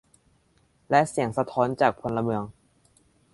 และเสียงสะท้อนจากพลเมือง